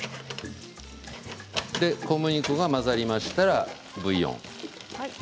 小麦粉が混ざりましたらブイヨン。